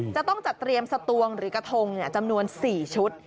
จะต้องจัดเตรียมสตวงหรือกระทงจำนวน๔ชุด